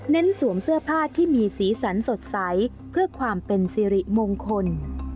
สวมเสื้อผ้าที่มีสีสันสดใสเพื่อความเป็นสิริมงคล